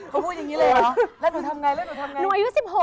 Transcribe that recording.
อ๋อเขาพูดอย่างนี้เลยหรอ